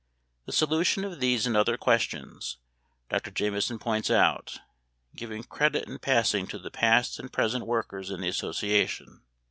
The solution of these and other questions, Dr. Jameson points out, giving credit in passing to the past and present workers in the association.